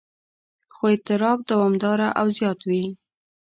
خو اضطراب دوامداره او زیات وي.